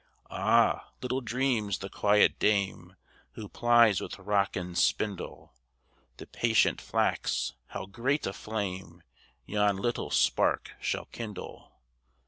Ah, little dreams the quiet dame Who plies with rock and spindle The patient flax, how great a flame Yon little spark shall kindle!